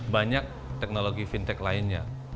banyak teknologi fintech lainnya